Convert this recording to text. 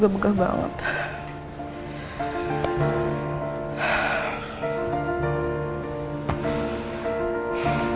gue pegah gue pegang gak kelar kelar